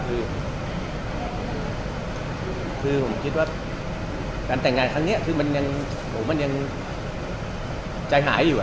คือผมคิดว่าการแต่งงานครั้งนี้คือมันยังใจหายอยู่